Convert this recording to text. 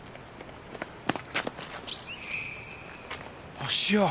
芦屋。